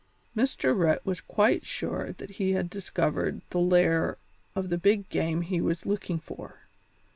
Mr. Rhett was quite sure that he had discovered the lair of the big game he was looking for.